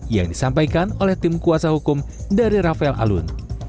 yang disampaikan oleh tim kuasa hukum dari rafael alun